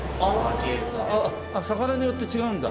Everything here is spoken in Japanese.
ああ魚によって違うんだ。